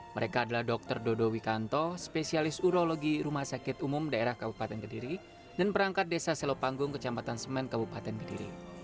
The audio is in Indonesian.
mereka adalah dr dodo wikanto spesialis urologi rumah sakit umum daerah kabupaten kediri dan perangkat desa selopanggung kecamatan semen kabupaten kediri